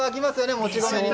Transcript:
もち米にね。